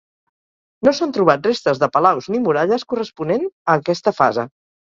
No s'han trobat restes de palaus ni muralles corresponent a aquesta fase.